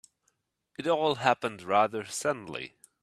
It all happened rather suddenly.